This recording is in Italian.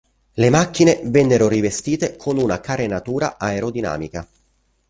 Le macchine vennero rivestite con una carenatura aerodinamica.